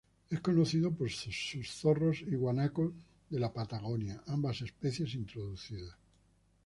Es conocido por sus zorros y guanacos de la Patagonia, ambas especies introducidas.